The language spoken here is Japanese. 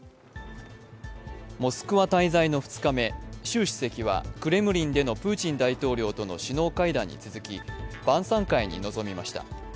モスクワ滞在の２日目、習主席はクレムリンでのプーチン大統領との首脳会談に続き晩さん会に臨みました。